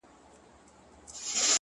• د آدم خان د ربابي اوښکو مزل نه یمه ,